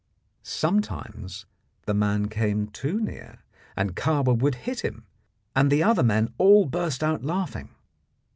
Sometimes the man came too near, and Kahwa would hit him, and the other men all burst out laughing.